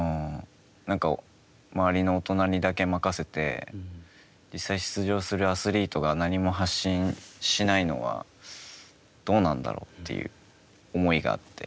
なんか、周りの大人にだけ任せて実際に出場するアスリートが何も発信しないのはどうなんだろうという思いがあって。